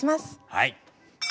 はい。